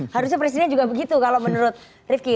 harusnya presiden juga begitu kalau menurut rifki